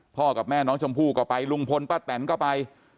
กับแม่น้องชมพู่ก็ไปลุงพลป้าแตนก็ไป